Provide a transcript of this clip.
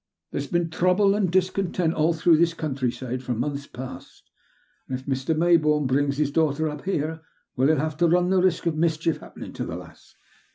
There's been trouble an' discontent all through this country side for months past, an' if Mr. Maybourne brings his daughter up here — well, he'll have to run the risk of mischief happenin' to the lass.